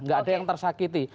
tidak ada yang tersakiti